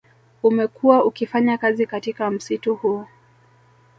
Umekuwa ukifanya kazi katika msitu huu